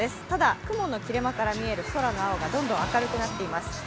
ただ雲の切れ間から見える空の青がどんどん明るくなっています。